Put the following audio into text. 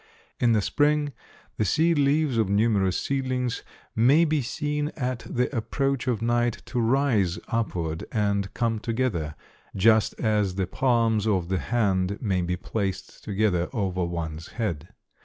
In the spring the seed leaves of numerous seedlings may be seen at the approach of night to rise upward and come together, just as the palms of the hand may be placed together over one's head.